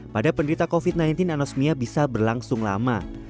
pada penderita covid sembilan belas anosmia bisa berlangsung lama